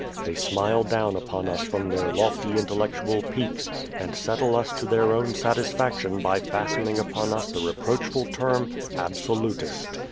They smile down upon us from their lofty intellectual peaks and settle us to their own satisfaction by fastening upon us the reproachful term "absolutist."